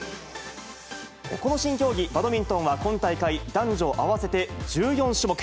この新競技、バドミントンは今大会、男女合わせて１４種目。